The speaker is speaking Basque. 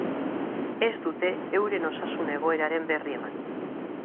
Ez dute euren osasun egoeraren berri eman.